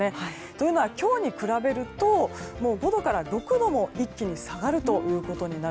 というのは今日に比べるともう、５度から６度も一気に下がります。